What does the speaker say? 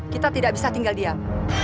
kita tidak bisa tinggal diam